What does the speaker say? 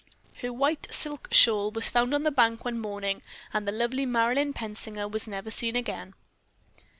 Her white silk shawl was found on the bank one morning and the lovely Marilyn Pensinger was never seen again.